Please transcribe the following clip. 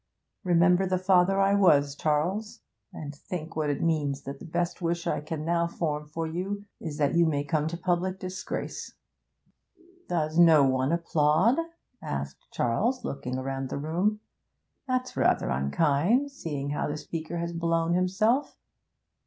Remember the father I was, Charles, and think what it means that the best wish I can now form for you is that you may come to public disgrace.' 'Does no one applaud?' asked Charles, looking round the room. 'That's rather unkind, seeing how the speaker has blown himself.